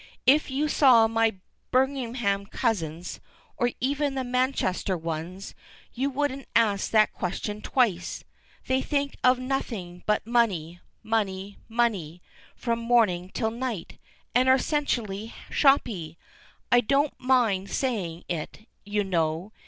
"If you saw my Birmingham cousins, or even the Manchester ones, you wouldn't ask that question twice. They think of nothing but money, money, money, from morning till night, and are essentially shoppy. I don't mind saying it, you know.